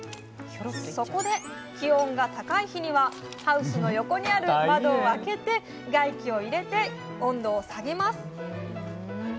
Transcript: そこで気温が高い日にはハウスの横にある窓を開けて外気を入れて温度を下げます。